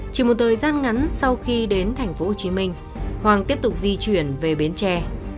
chỉ một thời gian ngắn sau khi đến tp hcm hoàng tiếp tục di chuyển về bến tre